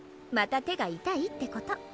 また手が痛いってこと。